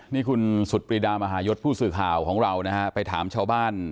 นี่คุณสุดปรีดามหายศผู้สื่อข่าวของเรานะฮะไปถามชาวบ้าน